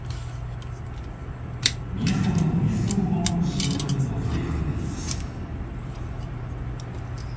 都の水を守る仕事にも取り組んでいます。